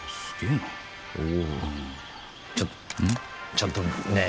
ちょっとねえ